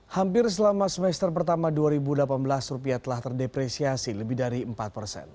hampir selama semester pertama dua ribu delapan belas rupiah telah terdepresiasi lebih dari empat persen